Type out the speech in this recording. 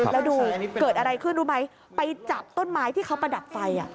แล้วดูเกิดอะไรขึ้นรู้ไหมไปจับต้นไม้ที่เขาประดับไฟ